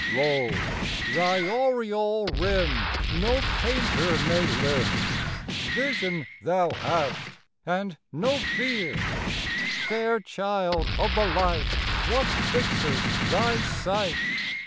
Lo, thy aureole rim No painter may limn Vision thou hast, and no fear! Fair child of the light, What fixes thy sight?